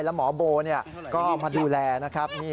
แล้วหมอโบก็มาดูแลนะครับ